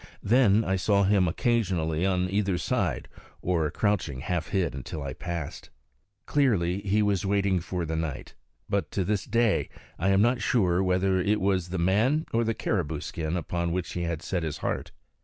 Then I saw him occasionally on either side, or crouching half hid until I passed. Clearly he was waiting for night; but to this day I am not sure whether it was the man or the caribou skin upon which he had set his heart.